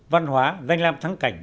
văn hóa danh làm thắng cảnh